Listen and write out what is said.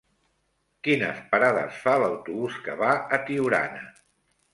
Quines parades fa l'autobús que va a Tiurana?